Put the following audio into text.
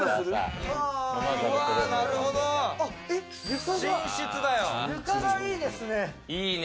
床がいいですね。